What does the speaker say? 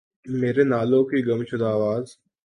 میرے نالوں کی گم شدہ آواز